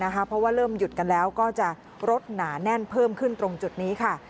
เพราะว่าเริ่มหยุดกันแล้วก็จะรถหนาแน่นเพิ่มขึ้นตรงจุดนี้ค่ะ